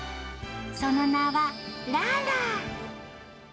その名は、ララ。